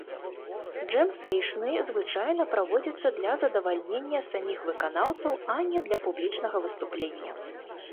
Джэм-сэйшны звычайна праводзяцца для задавальнення саміх выканаўцаў, а не для публічнага выступлення.